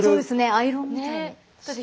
アイロンみたい。